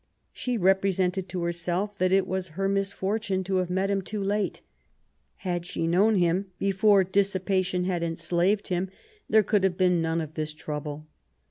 She repre sented to herself that it was her misfortune to have met him too late. Had she known him before dissipation had enslaved him, there would have been none of this trouble.